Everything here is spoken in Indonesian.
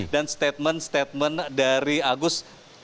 dan statement statement dari agus